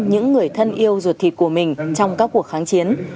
những người thân yêu ruột thịt của mình trong các cuộc kháng chiến